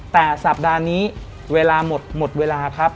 แต่สัปดาห์นี้เวลาหมดหมดเวลาครับ